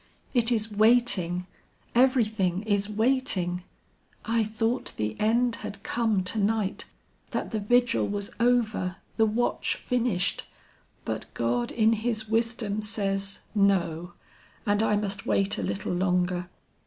It is waiting, everything is waiting. I thought the end had come to night, that the vigil was over, the watch finished, but God in his wisdom says, 'No,' and I must wait a little longer.